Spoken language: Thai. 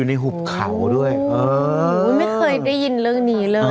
ไม่เคยได้ยินเรื่องนี้เลย